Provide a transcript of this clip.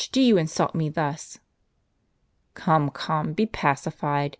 do you insult me thus ?"" Come, come, be pacified.